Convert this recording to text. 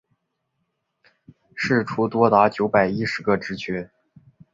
释出多达九百一十个职缺